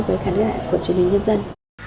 với khán giả của truyền hình nhân dân